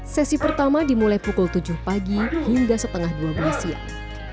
sesi pertama dimulai pukul tujuh pagi hingga setengah dua belas siang